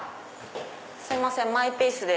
すいませんマイペースで。